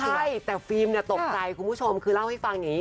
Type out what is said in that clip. ใช่แต่ฟิล์มเนี่ยตกใจคุณผู้ชมคือเล่าให้ฟังอย่างนี้